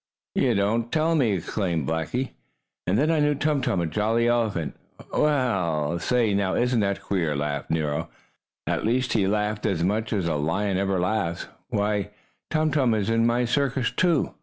"You don't tell me!" exclaimed Blackie. "And then I knew Tum Tum, a jolly elephant, and " "Well, say now, isn't that queer?" laughed Nero at least he laughed as much as a lion ever laughs. "Why, Tum Tum is in my circus, too!